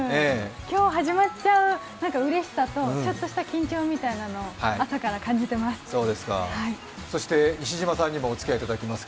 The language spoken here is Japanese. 今日始まっちゃう、うれしさとちょっとした緊張みたいなのを朝から感じています。